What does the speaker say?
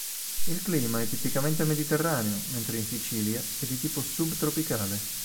Il clima è tipicamente mediterraneo, mentre in Sicilia è di tipo subtropicale.